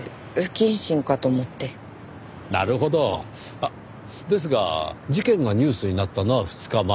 あっですが事件がニュースになったのは２日前。